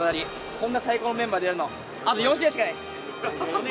こんな最高のメンバーでやれるのあと４試合しかないです。